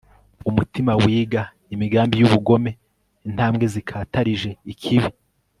umutima wiga imigambiy'ubugome, intambwe zikatarije ikibi